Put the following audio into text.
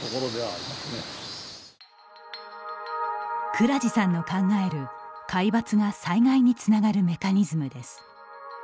蔵治さんの考える皆伐が災害につながるメカニズムです。